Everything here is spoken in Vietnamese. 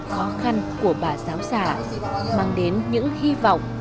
khó khăn của bà giáo giả mang đến những hy vọng